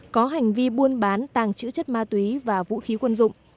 có hành vi buôn bán tàng trữ chất ma túy và vũ khí quân dụng